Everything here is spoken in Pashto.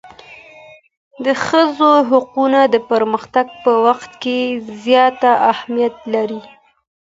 د ښځو حقوق د پرمختګ په برخه کي زیات اهمیت لري.